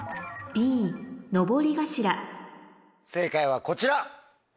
正解はこちら。